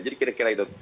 jadi kira kira itu